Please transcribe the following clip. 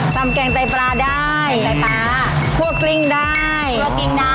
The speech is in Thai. ทำแกงใต้ปลาได้แกงใต้ปลาคั่วกริ้งได้คั่วกริ้งได้